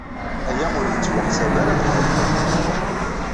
Aya ur yettwaḥsab ara d lɣelḍa.